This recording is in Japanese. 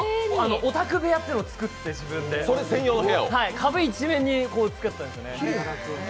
オタク部屋っていうのを自分で作って壁一面に作ったんですよね。